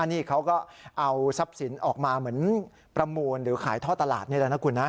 นี่เขาก็เอาทรัพย์สินออกมาเหมือนประมูลหรือขายท่อตลาดนี่แหละนะคุณนะ